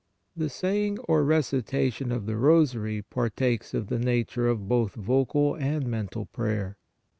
The saying or recitation of the Rosary partakes of the nature of both vocal and mental prayer.